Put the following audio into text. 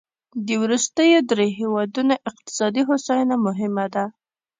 د وروستیو دریوو هېوادونو اقتصادي هوساینه مهمه ده.